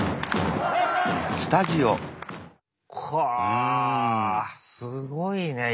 かあすごいね。